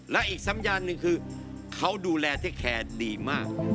และอีกสัญญาณหนึ่งคือเขาดูแลเทคแคร์ดีมาก